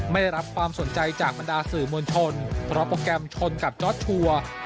ได้รับความสนใจจากบรรดาสื่อมวลชนเพราะโปรแกรมชนกับน็อตทัวร์